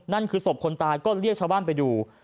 นั่นคือศพคนตายก็เรียกชาวบ้านไปดู